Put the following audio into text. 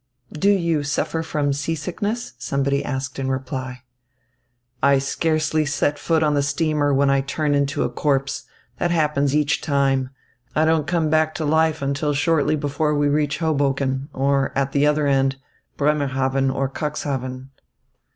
"Do you suffer from seasickness?" somebody asked in reply. "I scarcely set foot on the steamer when I turn into a corpse. That happens each time. I don't come back to life until shortly before we reach Hoboken or, at the other end, Bremerhaven or Cuxhaven."